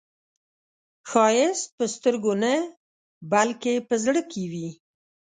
ښایست په سترګو نه، بلکې په زړه کې وي